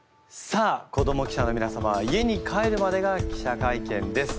さあ子ども記者のみなさまは家に帰るまでが記者会見です。